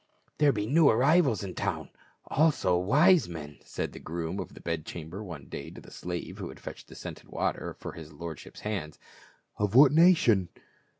" There be new arrivals in town — also wise men," SENT FORTH. 211 said the groom of the bed chamber one day to the slave who had fetched the scented water for his lord ship's hands. " Of what nation